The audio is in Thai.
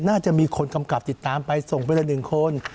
น่าจะมีคนกำกลับติดตามไปส่งไปแบบหนึ่งคน